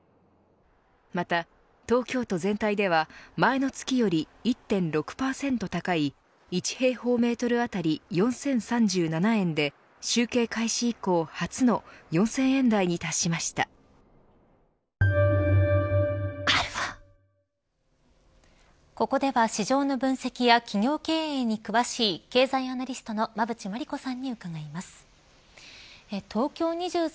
また、東京都全体では前の月より１．６％高い１平方メートル当たり４０３７円で集計開始以降初のここでは市場の分析や企業経営に詳しい経済アナリストの馬渕磨理子さんに伺います。